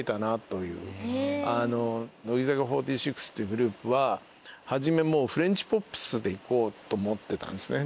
乃木坂４６っていうグループははじめフレンチポップスで行こうと思ってたんですね。